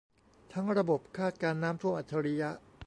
ทั้งระบบคาดการณ์น้ำท่วมอัจฉริยะ